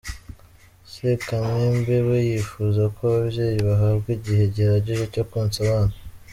S Kamembe we yifuza ko ababyeyi bahabwa igihe gihagije cyo konsa abana.